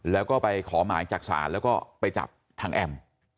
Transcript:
แล้วก็ไปขอหมายจากศาลแล้วก็ไปจับทางแอม